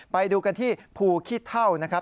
ไปดูกันที่ภูขี้เท่านะครับ